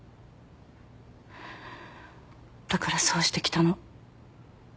だからそうしてきたの。